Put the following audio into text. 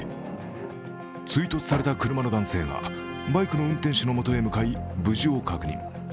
追突された車の男性はバイクの運転手のもとに向かい、無事を確認。